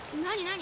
何？